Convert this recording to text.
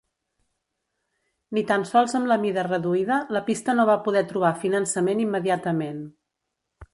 Ni tan sols amb la mida reduïda, la pista no va poder trobar finançament immediatament.